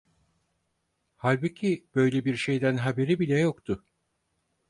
Halbuki böyle bir şeyden haberi bile yoktu…